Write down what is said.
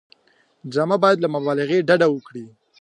ډرامه باید له مبالغې ډډه وکړي